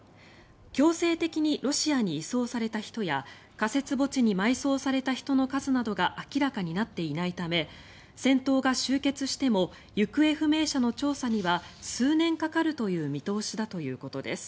強制的にロシアに移送された人や仮設墓地に埋葬された人の数などが明らかになっていないため戦闘が終結しても行方不明者の調査には数年かかるという見通しだということです。